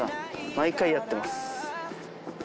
毎回やってます。